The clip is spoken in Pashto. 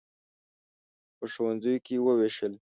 په ښوونځیو کې ووېشل.